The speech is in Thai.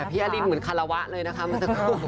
พี่อลินเหมือนแครวะเลยนะครับ